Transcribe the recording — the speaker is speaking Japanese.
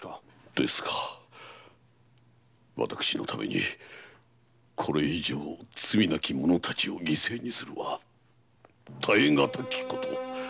ですが私のためにこれ以上罪なき者たちを犠牲にするは耐え難きこと！